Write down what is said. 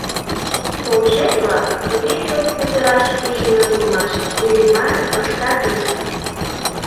Толшет-влак туге чот кутыраш пижыныт улмаш, Иллимарым ыштат уж.